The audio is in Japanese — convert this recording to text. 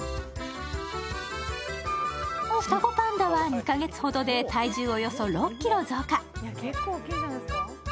双子パンダは２カ月ほどで体重およそ６ｋｇ増加。